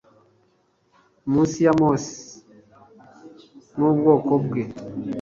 Munsi ya Mose nubwoko bwe